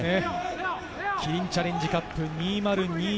キリンチャレンジカップ２０２１。